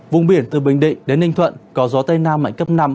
vùng biển từ bình định đến ninh thuận có gió tây nam mạnh cấp năm